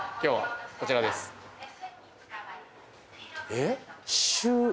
えっ？